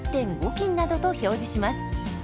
斤などと表示します。